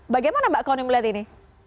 bagaimana mbak kony melihat ini